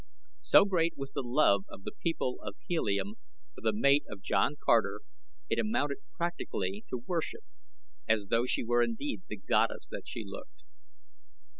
So great was the love of the people of Helium for the mate of John Carter it amounted practically to worship, as though she were indeed the goddess that she looked.